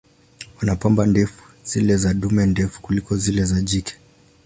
Wana pamba ndefu, zile za dume ndefu kuliko zile za jike.